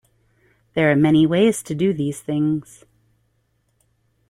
There are many ways to do these things.